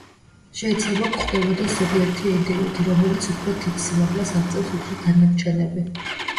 შეიძლება გვხვდებოდეს ზოგიერთი ინდივიდი, რომელიც უფრო დიდ სიმაღლეს აღწევს, ვიდრე დანარჩენები.